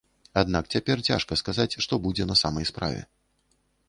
Аднак цяпер цяжка сказаць, што будзе на самай справе.